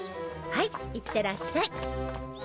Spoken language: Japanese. はい行ってらっしゃい！